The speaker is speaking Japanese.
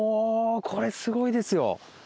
これすごいですよ！